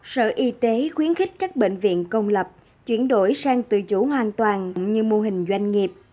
sở y tế khuyến khích các bệnh viện công lập chuyển đổi sang tự chủ hoàn toàn như mô hình doanh nghiệp